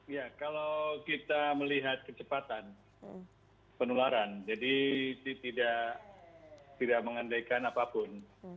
ya kalau kita melihat kecepatan penularan jadi tidak mengandaikan apapun